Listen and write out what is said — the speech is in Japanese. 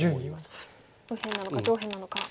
右辺なのか上辺なのか。